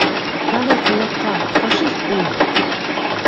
Тағы ҡолаҡҡа, фашист ул!